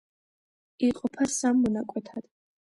იყოფა სამ მონაკვეთად.